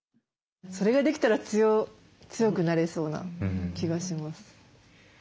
それができたら強くなれそうな気がします。